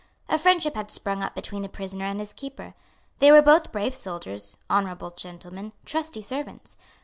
A friendship had sprung up between the prisoner and his keeper. They were both brave soldiers, honourable gentlemen, trusty servants.